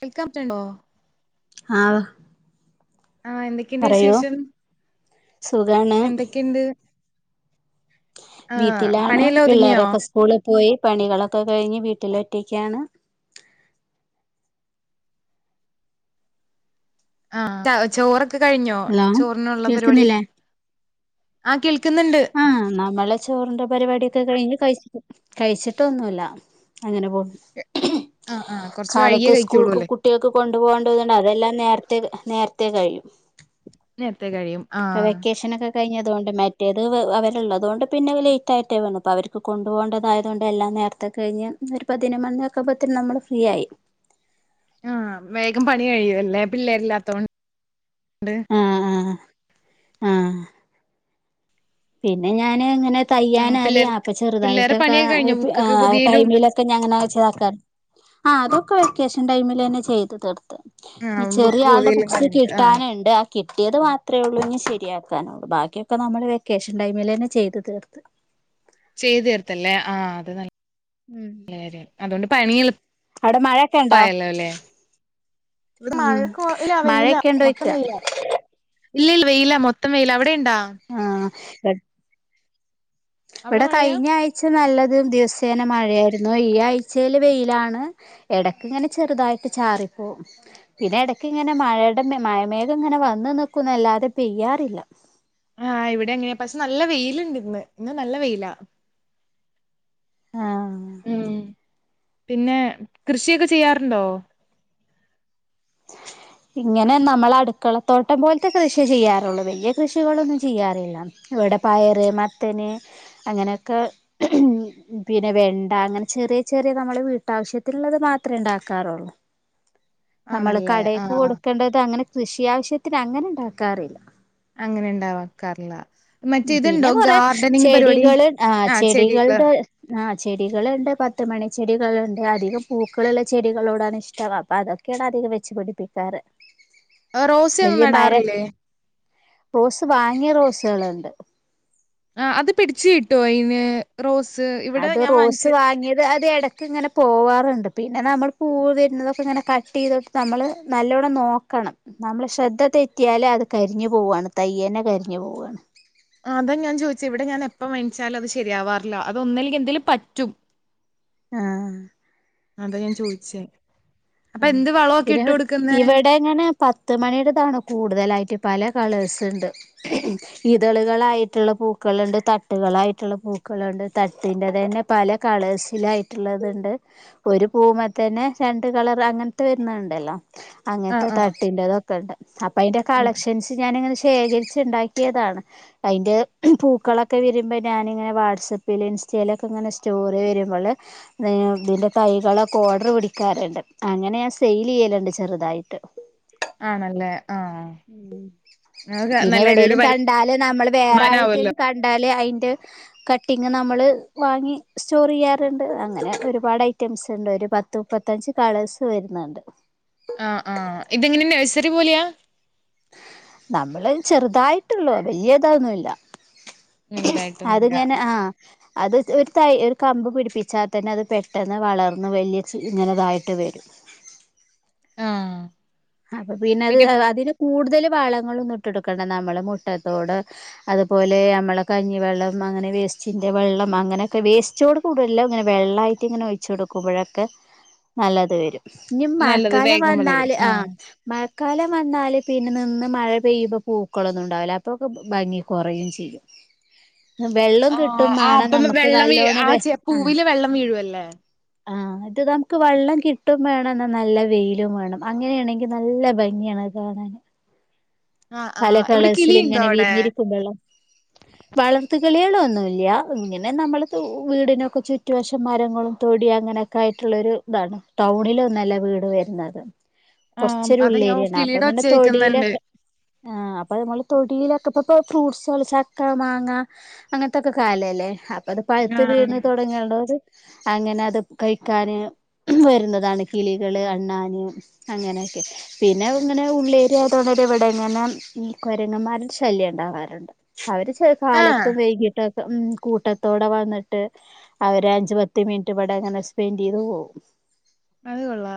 Welcome [unintelligible] ആഹ് ആഹ് എന്തെക്കെണ്ട് പറയൂ വിശേഷം സുഖാണ് എന്തൊക്കെണ്ട് ആഹ് പണിയെല്ലാം ഒതുങ്ങിയോ? സ്കൂളി പോയി പണികളൊക്കെ കൈഞ്ഞ് വീട്ടില് ഒറ്റക്ക്യാണ് ആഹ് ചോറൊക്കെ കഴിഞ്ഞോ ഹലോ ചോർനൊള്ള പരിപാട്യൊക് കേൾക്കുന്നില്ലേ ആഹ് നമ്മള് ചോറീന്റെ പരിപടെയൊക്കെ കഴിഞ്ഞ് കഴിച് കഴിച്ചിട്ടൊന്നുല്ല അങ്ങനെ പോന്ന് ആഹ് ആഹ് കൊറച്ച് കാലത്ത് വൈകിയേ കഴിക്കുള്ളൂ സ്കൂൾക്ക് കുട്ട് അല്ലേ കുട്ട്യാക്ക് കൊണ്ടു പോകേണ്ടതൊണ്ട് അതെല്ലാം നേര്ത്തെ നേര്ത്തെ കഴിം നേരത്തെ കഴിയും ഇപ്പ ആഹ് വെക്കേഷനൊക്കെ കൈഞ്ഞതോണ്ട് മെ റ്റേത് വ് അവരിള്ളതോണ്ട് പിന്നെ ലേറ്റ് ആയ്ട്ടേ വേണം അപ്പ അവർക്ക് കൊണ്ടുപോകേണ്ടതായതുകൊണ്ട് എല്ലാം നേര്ത്തെ കഴിഞ്ഞ് ഒരു പതിനൊമണ്യൊക്കാപ്പത്തിന് നമ്മള് ഫ്രീ ആയി ആഹ് വേഗം പണി കഴിയു അല്ലേ പിള്ളേരില്ലാത്തോണ്ട് ആഹ് ആഹ് ആഹ് പിന്നെ ഞാന് ഇങ്ങനെ ആഹ് തയ്യാൻ അറിയാ പിള്ളേർക്ക് പിള്ളേരെ അപ്പചെറ്തായിട്ടൊക്കാ പണിയൊക്കെ കഴിഞ്ഞോ പ് ബുക്കൊക്കെ ആഹ് പൊതിയലും ടൈമിലൊ ക്കെ ഞാങ്ങനെ വെച്ചതാക്കാറ് ആഹ് അതൊക്കെ വെക്കേഷൻ ടൈമിലെന്നെ ചെയ്ത് തീർത്ത് ഇനി ആഹ് ബുക്ക് ചെറിയാടെ പൊതിയലും ബുക്സ് കാര്യങ്ങളൊക്കെ ആഹ് കിട്ടാനിണ്ട് കിട്ട്യേത് മാത്രേ ഒള്ളൂ ഇഞ്ഞ് ശെരിയാക്കാനൊള്ളൂ ബാക്ക്യൊക്കെ നമ്മള് വെക്കേഷൻ ടൈമിലെന്നെ ചെയ്ത് തീർത്ത് ചെയ്തീർത്തല്ലേ ആഹ് അത് ന ഉം രും അതുകൊണ്ട് പണി അവിടെ മഴൊക്കെ ഉണ്ടോ എളുപ്പായല്ലോ അല്ലേ ഇവിടെ ഉം മഴക്കും വെയിലാ മഴയൊക്കെ ഉണ്ടോയ്ക്ക മൊത്തം വെയിലാ ഇല്ല ല്ലാ വെയില മൊത്തം വെയില അവിടെ ഇണ്ടാ? ആഹ് അവിടെ ഇവിടെ മഴയാ കഴിഞ്ഞ ആഴ്ച നല്ലതും ദിവസേന മഴയായിരുന്നു ഈ ആഴ്ചേൽ വെയിലാണ് എടക്ക് ഇങ്ങനെ ചെറുതായിട്ട് ചാറിപ്പോകും പിന്നെ ഇടയ്ക്ക് ഇങ്ങനെ മഴയുടെ മഴമേഘം ഇങ്ങനെ വന്ന് നിക്കുന്നല്ലാതെ പെയ്യാറില്ല ആഹ് ഇവിടെ അങ്ങനെയാ പക്ഷെ നല്ല വെയിലുണ്ട് ഇന്ന് ഇന്ന് നല്ല വെയിലാ ആഹ് ഉം പിന്നെ കൃഷിയൊക്കെ ചെയ്യാറുണ്ടോ? ഇങ്ങനെ നമ്മള് അടുക്കളത്തോട്ടം പോലത്തെ കൃഷിയെ ചെയ്യാറുള്ളു വലിയ കൃഷികളൊന്നും ചെയ്യാറില്ല ഇവിടെ പയറ് മത്തന് അങ്ങനെയൊക്കെ പിന്നെ വെണ്ട അങ്ങനെ ചെറിയ ചെറിയ നമ്മള് വീട്ടാവശ്യത്തിനുള്ളത് മാത്രേ ഇണ്ടാക്കാറുള്ളൂ നമ്മള് ആണല്ലേ കടേക്ക് ആഹ് കൊടുക്കേണ്ടത് അങ്ങനെ കൃഷി ആവശ്യത്തിന് അങ്ങനെ ഇണ്ടാക്കാറില്ല അങ്ങനെ ഇണ്ടാവാക്കാറില്ല ഉം പിന്നെ കൊറെ ചെടികള് ആ ആഹ് ചെടികള് ചെടികളുടെ ആഹ് ചെടികളുണ്ട് പത്ത് മണി ചെടികളുണ്ട് അധികം പൂക്കളുള്ള ചെടികളോടാണ് ഇഷ്ടം അപ്പൊ അതൊക്കെ ക്കെയാണ് അധികം വെച്ചു പിടിപ്പിക്കാറ് റോസയൊന്നും വല്യ മരം നടാറില്ലേ റോസ് വാങ്ങിയ റോസുകളുണ്ട് ആഹ് അത് പിടിച്ചു കിട്ടുവോ അയിന് റോസ് ഇവിടെ അത് ഞാൻ റോസ് വാങ്ങിച്ച് വാങ്ങിയത് അത് ഇടക്ക് ഇങ്ങനെ പോവാറുണ്ട് പിന്നെ നമ്മള് പൂവ് വരുന്നതൊക്കെ ഇങ്ങനെ കട്ട് ചെയ്തിട്ട് നമ്മള് നല്ലോണം നോക്കണം നമ്മള് ശ്രദ്ധ തെറ്റിയാല് അത് കരിഞ്ഞു പോവാണ് തയ്യന്നെ കരിഞ്ഞു പോവയാണ് അതാ ഞാൻ ചോയിച്ചേ ഇവിടെ ഞാൻപ്പ വാങ്ങിച്ചാലും അത് ശെരിയാവാറില്ല അതൊന്നേങ്കിൽ എന്തേലും പറ്റും ആഹ് അതാ ഞാൻ ചോയിച്ചെ അപ്പൊ ആഹ് എന്ത് വളവൊക്കെ പിന്നെ ഇട്ട് കൊടുക്കുന്നെ ഇവിടെ ഇങ്ങനെ പത്ത് മണീടതാണ് കൂടുതലായിട്ട് പല കളേഴ്സ് ഇണ്ട് ഇതളുകളായിട്ടിള്ള പൂക്കള്ണ്ട് തട്ടുകളായിട്ടിള്ള പൂക്കള്ണ്ട് തട്ടിന്റെതന്നെ പല കളേഴ്സിലായിട്ടിള്ളതിണ്ട് ഒരു പൂമ്മെ തന്നെ രണ്ട് കളർ അങ്ങനത്തെ വരുന്നെ ഇണ്ടല്ലോ ആഹ് അങ്ങനത്തെ ആഹ് തട്ടിന്റതൊക്കണ്ട് അപ്പ അയിന്റെ കളക്ഷൻസ് ഞാനിങ്ങനെ ശേഖരിച്ച് ഇണ്ടാക്കിയതാണ് അയിൻ്റെ പൂക്കളൊക്കെ വരുമ്പ ഞാനിങ്ങനെ വാട്സപ്പിൽ ഇൻസ്റ്റേലൊക്കെ ഇങ്ങന സ്റ്റോറി വരുമ്പൊള് ഇതിന്റെ തൈകളൊക്കെ ഓഡറ് പിടിക്കാറ്ണ്ട് അങ്ങനെ ഞാൻ സെയില് ചെയ്യല്ണ്ട് ചെറുതായിട്ട് ആണല്ലേ ആഹ് ഉം അത് പിന്നെ നല്ലായിരുന്നു എവിടേലും ഒരു കണ്ടാല് നമ്മള് വേറെ തീരുമാനാവല്ലോ. ആര്ത്തേലും കണ് ണ്ടാല് അയിൻ്റെ കട്ടിങ് നമ്മള് വാങ്ങി സ്റ്റോറേയ്യാറ്ണ്ട് അങ്ങനെ ഒരുപാട് ഐറ്റംസിണ്ട് ഒരു പത്ത് മുപ്പത്തഞ്ച് കളേഴ്സ് വരുന്ന്ണ്ട് ആഹ ആഹ് ഇതെങ്ങെന നഴ്സറി പോലെയാ നമ്മൾ ചെറുതായിട്ടുള്ളൂ വല്യതാ ഒന്നുല്ല വലുതായിട്ടൊന്നുല്ല. അതിങ്ങനെ ആഹ് അത് ഒരു തൈ ഒരു കമ്പ് പിടിപ്പിച്ച തന്നെ അത് പെട്ടെന്ന് വളർന്ന് വലിയ ചെ ഇങ്ങനെതായിട്ട് വരും ആഹ് അപ്പ പിന്നത് അതിന് കൂടുതല് വളങ്ങളൊന്നും ഇട്ടൊടുക്കണ്ട നമ്മള് മുട്ടത്തോട് അതുപോലെ ഞമ്മളെ കഞ്ഞിവെള്ളം അങ്ങനെ വേസ്റ്റിൻ്റെ വെള്ളം ആങ്ങനൊക്കെ വേസ്റ്റോട് കൂടല്ലോ എല്ലാം ഇങ്ങനെ വെള്ളായിട്ടിങ്ങനെ ഒഴിച്ചൊടുക്കുമ്പഴൊക്കെ നല്ലത് വരും. ഇനി നല്ലത് മഴക്കാലം വേഗം വളരും. വന്നാല് ആ. ആഹ് മഴക്കാലം വന്നാല് പിന്നെ നിന്ന് മഴ പെയ്യുമ്പൊ പൂക്കളൊന്നും ഇണ്ടാവൂല്ല അപ്പൊക്കെ ഭംഗി കൊറയും ചെയ്യും. [inaudible] വെള്ളം ആഹ് കിട്ടും ആഹ് വേണം ഇപ്പം നമുക്ക് വെള്ളം വീഴ് നല്ലോണം വെ ആഹ് ചെ പൂവില് വെള്ളം വീഴുവല്ലേ ആഹ് അത് നമ്മക്ക് വെള്ളം കിട്ടും വേണം ഇന്നാ നല്ല വെയിലും വേണം അങ്ങനെയാണെങ്കി നല്ല ഭംഗിയാണ് അത് കാണാന്. ആഹ് പല ആഹ് ഇവിടെ കളേഴ്സിൽ കിളിയിണ്ടോ അവിടെ വളർത്ത് കിളികളൊന്നൂല്ല്യ ഇങ്ങനെ നമ്മള് തൂ വീടിനൊക്കെ ചുറ്റുവശം മരങ്ങളും തൊടി അങ്ങനെ ക്കായിട്ടുള്ളൊരു ഇതാണ് ടൗണിലൊന്നല്ല വീട് വര്ന്നത്. ആ, കൊർച്ചൊരു അതാ ഞാൻ ഉള്ളേരിയാണ് കിളിയുടെ അപ്പങ്ങനെ ഒച്ച കേക്കുന്നുണ്ട്. തൊടീലൊക്കെ ആഹ് അപ്പ നമ്മള് തൊടീലൊക്കെ ഇപ്പ പോയ ഫ്രൂട്ട്സ്കള് ചക്ക മാങ്ങ അങ്ങൻത്തൊക്കെ കാലല്ലേ അപ്പൊ അത് പഴുത്ത് ആ. വീണ് തൊടങ്ങേണ്ടൊര് അങ്ങനെ അത് കഴിക്കാന് വരുന്നതാണ് കിളികള് അണ്ണാന് അങ്ങനെക്കെ പിന്നെ അതിങ്ങനെ ഉള്ളേരിയാതോണ്ടന്നെ ഇവടെ ഇങ്ങനെ ഈ കൊരങ്ങന്മാരുടെ ശല്യണ്ടാവാറ്ണ്ട്. അവര് ആ, കാലത്ത് വൈകീട്ട് ഹ്മ്മ് കൂട്ടത്തോടെ വന്ന്ട്ട് അവരഞ്ച് പത്ത് മിനിറ്റ് ഇവടെ ഇങ്ങനെ സ്പെൻഡെയ്ത് പോവും അത്കൊള്ളാ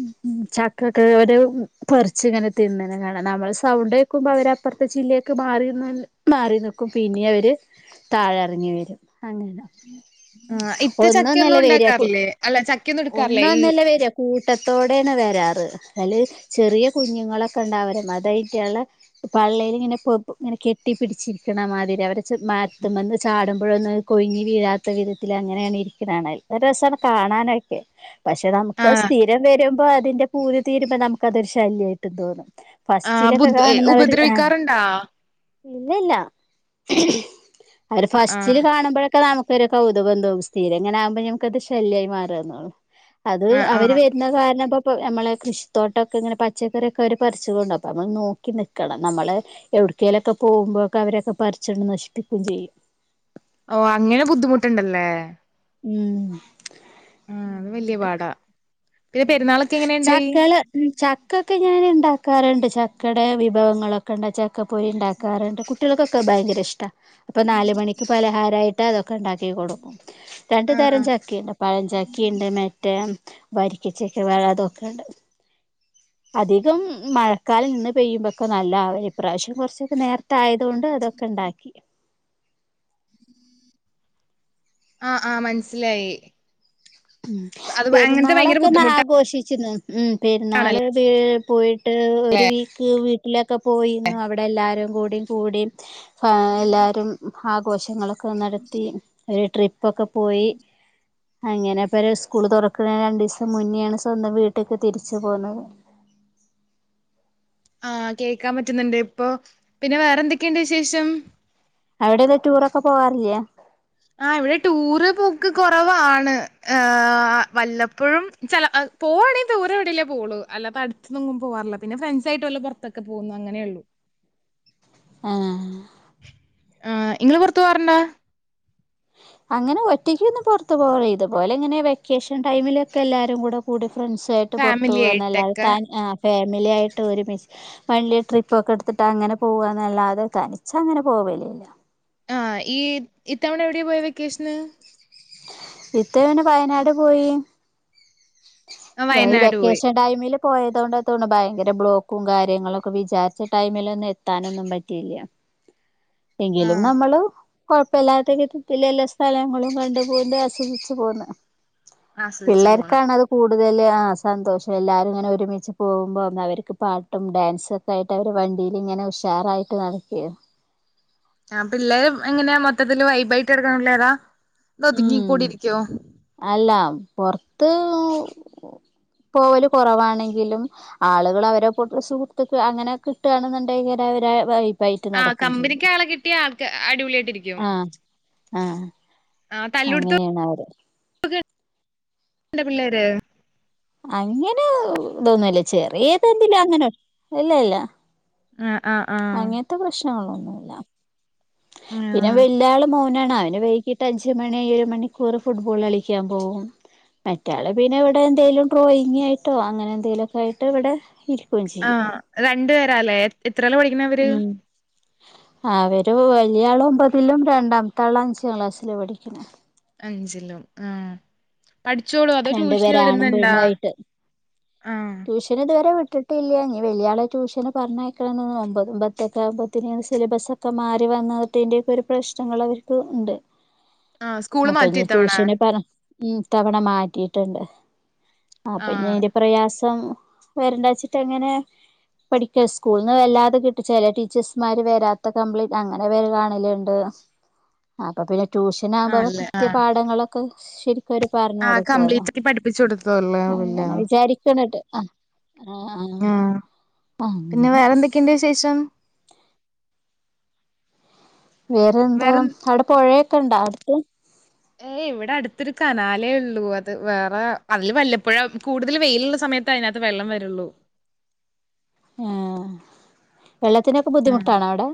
ഹ്മ്മ് ചക്കൊക്ക് ഓര് പറിച്ച് ഇങ്ങനെ തിന്ന്ണെ കാ ണാ നമ്മള് സൗണ്ട് കേക്കുമ്പോ അവര് അപ്പറത്തെ ചില്ലേക്ക് മാറീന്ന് മാറി നിക്കും പിന്നിം അവര് താഴറങ്ങി വരും. അങ്ങനെ ആ, ഇത്ത ഒന്നൊന്നല്ല ചക്കയൊന്നും വെര്യാ കു ഉണ്ടാക്കാറില്ലേ? അല്ല ചക്കയൊന്നും എടുക്കാറില്ലേ? ഈ ഒന്നൊന്നല്ല വര്യാ കൂട്ടത്തോടേണ് വരാറ് അയില് ചെറിയ കുഞ്ഞുങ്ങളൊക്കെ ഇണ്ടായവരെ അതായിട്ടള്ള പള്ളേലിങ്ങനെ പോയപ്പോ ഇങ്ങനെ കെട്ടി പിടിച്ചിരിക്ക്ണ മാതിരി അവരെച്ച് മരത്ത്മെന്ന് ചാടുമ്പഴൊന്ന് കൊഴിഞ്ഞി വീഴാത്ത വിധത്തിലങ്ങനെണ് ഇരിക്ക്ണാണെൽ ഒരു രസാണ് കാണാനൊക്കെ പക്ഷെ ആ, നമുക്കത് സ്ഥിരം വരുമ്പോ അതിന്റെ പൂതി തീരുമ്പോ നമുക്കതൊരു ശല്യായിട്ട് തോന്നും ആ ഫസ്റ്റ്ലൊക്കെ ബുദ് എ കാണുന്നവര് ആഹ് ഉപദ്രവിക്കാറുണ്ടാ? ഇല്ലില്ല. [inaudible] അവര് ആ, ഫസ്റ്റില് കാണുമ്പൊളൊക്കെ നമു ക്കൊരു കൗതുകംതോന്നും സ്ഥിരിങ്ങനെ ആകുമ്പ ഞമ്മക്കത് ശല്യായി മാറാന്നൊള്ളു. അത് ആ, ആ. അവര് വ ര്ണ കാരണം പ്പ പ്പ ഞമ്മളെ കൃഷിത്തോട്ടക്കങ്ങനെ പച്ചക്കറിയൊക്കെ അവര് പ ർച്ചൊണ്ടോവും അപ്പോ നമ്മള് നോക്കി നിൽക്കണം നമ്മള് എവ്ട്‌ക്കേലൊക്കെ പോകുമ്പോക്കെ അവരൊക്കെ പറിച്ചാണ്ട് നശിപ്പിക്കുകയും ചെയ്യും. ഓഹ് അങ്ങനെ ബുദ്ധിമുട്ട്ണ്ടല്ലേ ഹ്മ്മ് അത് വലിയ അങ്ങനണ്ട് പാടാ. പിന്നെ ഹ്മ്മ് പെരുന്നാളൊക്കെ എങ്ങനെയുണ്ടായി? ചക്കല് ഹ്മ്മ് ചക്കക്കെ ഞാന് ഇണ്ടാക്കാറ്ണ്ട് ചക്കടെ വിഭവങ്ങളൊ ളക്കെ ചക്കപ്പൊരി ഇണ്ടാക്കാറ്ണ്ട് കുട്ടികൾക്കൊക്കെ ഭയങ്കര ഇഷ്ട്ടാ അപ്പൊ നാല് മണിക്ക് പലഹാരായി ട്ട്യേക്കൊക്കെ ണ്ടാക്കി കൊടുക്കും രണ്ടു തരം ആഹ് ചക്കിണ്ട് പഴചക്കിണ്ട് മറ്റേ വരിക്കച്ചക്കെ [unintelligible] വെക്കേണ്ട്. [inaudible] അധികം മഴക്കാലം ഇന്ന് പെയ്യുമ്പോക്കെ നല്ല ആവല് ഇപ്രാവശ്യം കുറച്ചൊക്കെ നേരത്തെ ആയതോണ്ട് അതൊ ക്കെണ്ടാക്കി. ആഹ് ആഹ് മനസ്സിലായി. ഹ്മ്മ് അത് ഭ- അങ്ങനത്തെ ഭയങ്കര പെരുന്നാളൊക്കൊന്ന് ആഘോഷിച്ചിരുന്നു ഹ്മ്മ് ബുദ്ധിമുട്ടാണല്ലേ പെരുന്നാളത് പോയി ട്ട് ഒര് വീക്ക് വീട്ടിലൊക്കെ പോയിരുന്നു അവിടെ ഇവിടെല്ലാരും കൂടി കൂടി ഏഹ് എല്ലാരും ആഘോഷങ്ങളൊക്കെ നടത്തി. ഒര് ട്രിപ്പൊക്കെ പോയി അങ്ങനെ ഇവരെ സ്കൂള് തൊറക്ക്ണ രണ്ടീസം മുഞ്ഞേയാണ് സ്വന്തം വീട്ടിക്ക് തിരിച്ചു പോന്നത്. ആഹ് കേക്കാൻ പറ്റുന്ന്ണ്ട് ഇപ്പൊ പിന്നെ വേറെന്തെക്കേണ്ട് വിശേഷം അവിടൊന്നും ടൂറൊക്കെ പോവാറില്ലാ ആഹ് ഇവിടെ ടൂറ് പോക്ക് കുറവാണ് ആഹ് വല്ലപ്പോഴും ചില പോവാണെ ദൂര എവിടേ പോളൂ അല്ലാത്ത അടുത്തൊന്നും പോവാറില്ല പിന്നെ ഫ്രണ്ട്സായിട്ട് പോല്ലേ പുറത്തക്കെ പോകു അങ്ങനെ ഉള്ളു ആഹ് ആഹ് ഇങ്ങൾ പുറത്തു പോവാറ്ണ്ടോ അങ്ങനെ ഒറ്റയ്ക്കൊന്ന് പുറത്ത് പോ ഇതുപോലെ ഇങ്ങനെ വെക്കേഷൻ ടൈമിലൊക്കെ എല്ലാരും കൂടെ കൂടി ഫ്രൻസ് ക്കളായിട്ട് പുറത്ത് ഫാമിലി പോവന്നല്ലാതെ ആയിട്ടൊക്കെ താൻ ഫാമിലിയായിട്ട് ഒരുമിച് വണ്ടേ ട്രിപ്പ് ഒക്കെ എടുത്തിട്ട് അങ്ങനെ പോവന്നല്ലാതെ തനിച്ച അങ്ങനെ പോവലില്ല ആഹ് ഈ ഇത്തവണ എവിടെയേ പോയ വെക്കേഷന് ഇത്തവണ വയനാട് പോയി ആഹ് ഈ വയനാട് പോയി വെക്കേഷൻ ടൈമില് പോയതൊണ്ട് തോണ് ഭയങ്കര ബ്ലോക്കും കാര്യങ്ങളൊക്കെ വിചാരിച്ച ടൈമിലൊന്നും എത്താനൊന്നും പറ്റില്ല എങ്കിലും ആഹ് നമ്മള് കൊഴപ്പല്ലാത്ത വിധത്തില എല്ലാ സ്ഥലങ്ങളും കണ്ട് പോയ ആസ്വദിച്ചു പോന്ന് ആസ്വദിച്ചു പോണ് പിള്ളേർക്കാണത് കൂടുതൽ ആഹ് സന്തോഷം എല്ലാവരും ഇങ്ങനെ ഒരുമിച്ച് പോകുമ്പോ അവർക്ക് പാട്ടും ഡാൻസ് ദായിട്ട് അവര് വണ്ടിൽ ഇങ്ങനെ ഉഷാറായിട്ട് നടക്കേ ആഹ് പിള്ളേർ എങ്ങനെയാ മൊത്തത്തിൽ വൈബ ആയിട്ട് എടുക്കണള്ളേ ഏതാ ഒതുങ്ങി ഉം ക്കൂടി ഇരിക്കുവോ അല്ല പൊർത്ത് പോവല് കുറവാണെങ്കിലും ആളുകൾ അവരെ പോട്ടുള്ള സുഹൃത്തുക്ക് അങ്ങനെ കിട്ടുകയാണെന്നുണ്ടെ അവരെ വൈ ആഹ് കമ്പനിക്ക് ആളെ കിട്ടിയ ആൾക്ക് അടിപൊളി ആയിട്ടിരിക്കും ആഹ് ആഹ് തല്ലൂടുത്തണ്ട് അങ്ങനെണ് അവര് എന്റെ പിള്ളേര് അങ്ങനെ ഇതോന്നൂല്ല ചെറിയതെന്തിലോ അങ്ങനെ ഇല്ലല്ല ആഹ് ആഹ് ആഹ് ത്ത പ്രശ്നങ്ങളൊന്നുല്ല പിന്നെ ആഹ് വല്ല്യായാള് മോനാണ് അവന് വൈകിട്ട് അഞ്ച് മണിയായ ഒരു മണിക്കൂർ ഫുട്ബോൾ കളിക്കാൻ പോകും മറ്റാള് പിന്നെ ഇവിടെ എന്തെങ്കലും ഡ്രോയിങ് ആയിട്ടോ അങ്ങനെ എന്തെങ്കലു ഒക്കെ ആയിട്ട് ഇവിടെ ഇര് ആഹ് രണ്ടു പേരാലേ എത്രലാ പഠിക്കണ അവര് ഉം അവര് വലിയ ആള് ഒമ്പതിലും രണ്ടാമത്തെ ആള് അഞ്ചാം ക്ലാസ്സില് പഠിക്കണ അഞ്ചിലും ആഹ് പഠിച്ചോളൂ അതോ രണ്ടു ട്യൂഷന് പേര് ആണും വിടുന്നുണ്ടാ പെണ്ണും ആയിട്ട് ആഹ് ട്യൂഷൻ ഇതുവരെ വിട്ടിട്ടില്ല. ഇനി വലിയ ആളെ ട്യൂഷന് പറഞ്ഞയക്കണമെന്ന് ഒമ്പത് പത്തൊക്കെ ആമ്പത്തിന്ന് സിലബസ ഒക്കെ മാറി വന്നതിന്റെയൊക്കെ ഒരു പ്രശ്നങ്ങൾ അവർക്ക് ഉണ്ട്. ആഹ് സ്കൂള് അപ്പൊ മാറ്റി ഇനി ഇത്തവണ ട്യൂഷന് പറ ഉം ഇതവണ മാറ്റിയിട്ടുണ്ട് അപ്പൊ ആഹ് അയ്ന്റെ പ്രയാസ പ്പം വരണ്ട വച്ചിട്ട് അങ്ങനെ പഠിക്കും സ്കൂളിന്ന് വല്ലാതെ കിട്ടും. ചില ടീച്ചേഴസ്മാര് വരാത്ത കംപ്ലീൻ അങ്ങനെ വരവാണേലു ണ്ട് അപ്പോ പിന്നെ ട്യൂഷനകുമ്പോ ആല്ലേ കൃത്യ പാഠങ്ങളൊക്കെ ശരി രിക്ക് പറഞ്ഞു ആഹ് കൊടുക്കുവല്ലോ കംപ്ലീറ്റ് ആക്കി പഠിപ്പിച്ചു കൊടുത്തോല്ലാവില്ല അങ്ങനെ വിചാ ചെന്നിട്ട് അഹ് ആഹ് ആഹ് അങ്ങനെ ശേഷം വേറെന്താ വേറെ അവിടെ പുഴയൊക്കെ ഉണ്ടോ അടുത്ത്? ഏയ് ഇവിടെ അടുത്തൊരു കനാലേ ഉള്ളൂ. അത് വേറെ അതിൽ വല്ലപ്പോഴും കൂടുതൽ വെയിലുള്ള സമയത്ത് ത്തെ അതിനകത്ത് വെള്ളം വരുള്ളൂ. എഹ് വെള്ളത്തിനൊക്കെ ബുദ്ധിമുട്ടാണോ അവിടെ?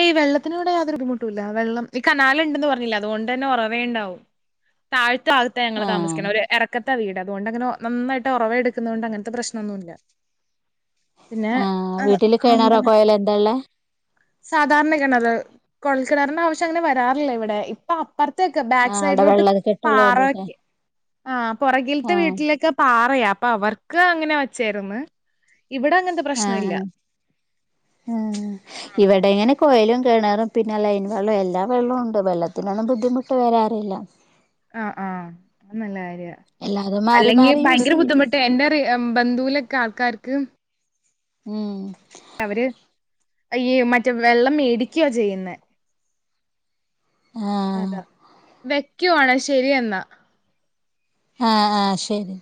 ഏയ് വെള്ളത്തിനിവിടെ യാതൊരു ബുദ്ധിമുട്ടില്ല. വെള്ളം ഈ കനാലുണ്ടെന്ന് പറഞ്ഞില്ല അതുകൊണ്ട് തന്നെ ഒറവേ ഉണ്ടാവും. താഴ്ത്തന്ന ഭാഗത്താ ഞങ്ങള് ആ താമസിക്കണേ ഒരു എറ റക്കത്താ വീട്. അതുകൊണ്ട് അങ്ങനെ നന്നായിട്ട് ഉറവ എടുക്കുന്ന കൊണ്ട് അങ്ങനത്തെ പ്രശ്നമൊന്നുമില്ല പിന്നെ ആ ഏഹ് വീട്ടില് കെണറോ അങ്ങനെ കൊയലെന്താള്ളേ? സാധാരണ കിണറ്. കുഴൽക്കിണറിന്റെ ആവശ്യങ്ങനെ വരാറില്ല ഇവിടെ. പ്പൊ അപ്പുറത്തെക്ക് ആ ബാക്ക് അവിടെ സൈഡിലോട്ട് വെള്ള കെട്ടുള്ളോണ്ട് പാറൊക്കെ ആ ആ പുറകിൽത്തെ വീട്ടിലൊക്കെ പാറയാ അപ്പൊ അവർക്ക് അങ്ങനെ വെച്ചായിരുന്ന് ആ ആ ആഹ് ഇവിടേങ്ങനെ കുയലും, കെണറും, പിന്നെ ലൈൻ വെള്ളോ എല്ലാ വെള്ളോണ്ട്. വെള്ളത്തിനൊന്നും ബുദ്ധിമുട്ട് വരാറില്ല. [inaudible] അ ആ അത് നല്ല കാര്യാ എല്ലാതും മാറി അല്ലെങ്കി മാറി യൂസ് ഭയങ്കര ചെയ്യും ബുദ്ധിമുട്ട് എന്റെ പ്പെ എ ബന്ധുവിലൊക്കെ ആൾക്കാർക്ക് ഉം അവര് അയ്യേ മറ്റം വെള്ളം മേടിക്കുക ചെയ്യുന്നേ. ആഹ് അതാ വെക്കുവാണേ ശരിയെന്നാ. ആ ആ ശരി.